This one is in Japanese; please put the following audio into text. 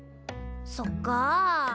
そっか。